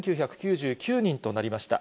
２９９９人となりました。